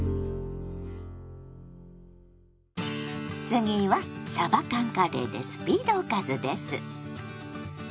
次はさば缶カレーでスピードおかずです。